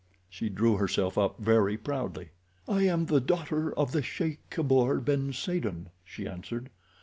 She drew herself up very proudly. "I am the daughter of the Sheik Kabour ben Saden," she answered.